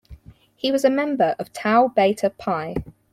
He was a member of Tau Beta Pi.